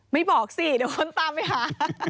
ไม่บอกสิเดี๋ยวคนตามไปหา